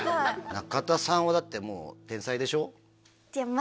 中田さんはだってもう天才でしょ？